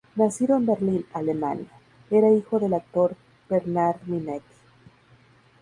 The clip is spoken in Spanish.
Nacido en Berlín, Alemania, era hijo del actor Bernhard Minetti.